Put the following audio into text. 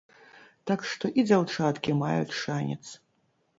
Так што і дзяўчаткі маюць шанец.